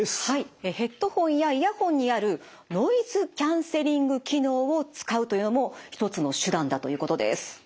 ヘッドホンやイヤホンにあるノイズキャンセリング機能を使うというのも一つの手段だということです。